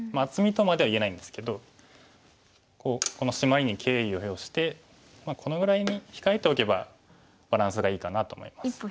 厚みとまでは言えないんですけどこのシマリに敬意を表してこのぐらいに控えておけばバランスがいいかなと思います。